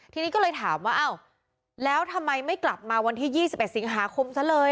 ทีนี้ก็เลยถามว่าอ้าวแล้วทำไมไม่กลับมาวันที่๒๑สิงหาคมซะเลย